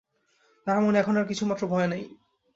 তাহার মনে এখন আর কিছুমাত্র ভয় নাই।